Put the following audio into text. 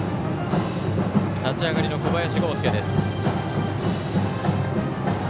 立ち上がりの小林剛介です。